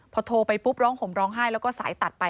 พอโทรไปปุ๊บร้องห่มร้องไห้แล้วก็สายตัดไป